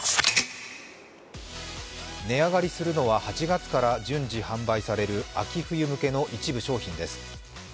値上がりするのは、８月から順次販売される秋冬向けの一部商品です。